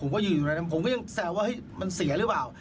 ผมก็อยู่อยู่ในนั้นผมก็ยังแซวว่าให้มันเสียรึเปล่า